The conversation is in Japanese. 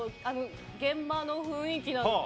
現場の雰囲気など。